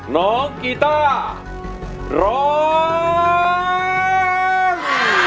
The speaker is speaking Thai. น้องกีต้าร้อง